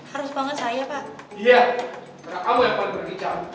harus banget saya pak